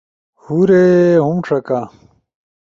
ہورے ہُم ݜکا۔